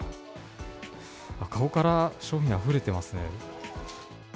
籠から商品があふれてますね。